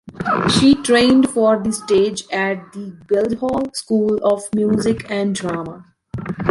She trained for the stage at the Guildhall School of Music and Drama.